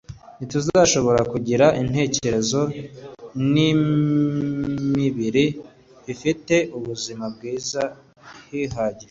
ntituzashobora kugira intekerezo n'imibiri bifite ubuzima bwiza bihagije budushoboza gusobanukirwa n'intego y'ibyanditswe